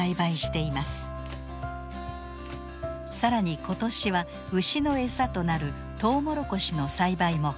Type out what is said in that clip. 更に今年は牛のエサとなるトウモロコシの栽培も開始。